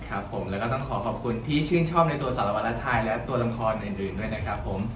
ครับผมแล้วก็ต้องขอขอบคุณที่ชื่นชอบในตัวสารวัตรไทยและตัวละครอื่นด้วยนะครับผม